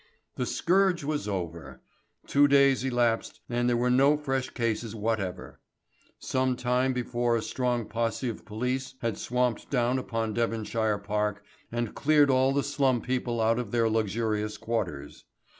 The scourge was over. Two days elapsed and there were no fresh cases whatever. Some time before a strong posse of police had swamped down upon Devonshire Park and cleared all the slum people out of their luxurious quarters.